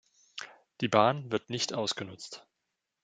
Die Bahn wird nicht ausgenutzt.